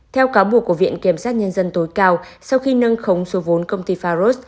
theo cáo buộc của viện kiểm sát nhân dân tối cao sau khi nâng khống số vốn công ty farod